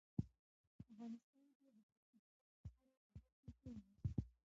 افغانستان کې د پکتیکا په اړه زده کړه کېږي.